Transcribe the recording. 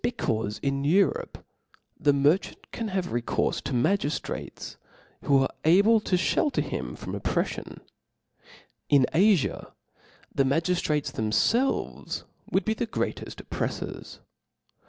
becaufe in Europe the merchant can have rccourfe to magiftrates> who are able to fhelter him from oppreffion \ in Afia the magiftrates them felves would be the greateft oppreflbrs.